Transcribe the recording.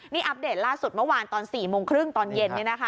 นี่อัปเดตล่าสุดเมื่อวานตอน๔โมงครึ่งตอนเย็น